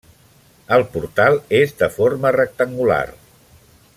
El portal és de forma rectangular.